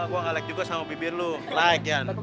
gue gak like juga sama bibir lo like yan